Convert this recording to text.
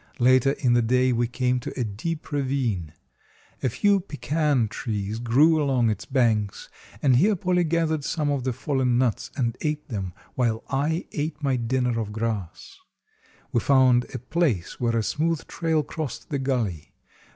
Later in the day we came to a deep ravine. A few pecan trees grew along its banks, and here Polly gathered some of the fallen nuts and ate them, while I ate my dinner of grass. We found a place where a smooth trail crossed the gully.